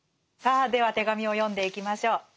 さあでは手紙を読んでいきましょう。